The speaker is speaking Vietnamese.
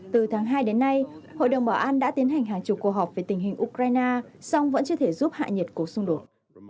từ tháng hai đến nay hội đồng bảo an đã tiến hành hàng chục cuộc họp về tình hình ukraine song vẫn chưa thể giúp hạ nhiệt cuộc xung đột